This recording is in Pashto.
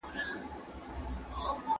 دولت د اقتصاد قانون جوړوي.